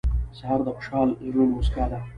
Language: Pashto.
سهار د خوشحال زړونو موسکا ده.